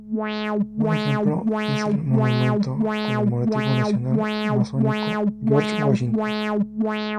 Un ejemplo es el Monumento Conmemorativo Nacional Masónico George Washington.